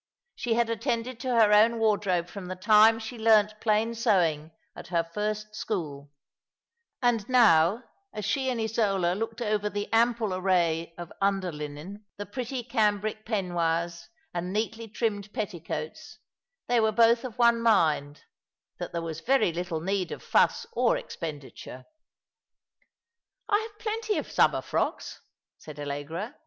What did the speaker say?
She had attended to her own wardrobe from the time she learnt plain sewing at her first school; and now, as she and Isola looked over the ample array of under linen, the pretty cambric peignoirs, and neatly trimmed petticoats, they were both of one mind, that there was very little need of fuss or expenditure. "I have plenty of summer frocks," said Allegra.